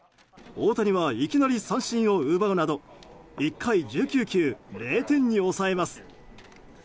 大谷はいきなり三振を奪うなど１回１９球０点に抑えます。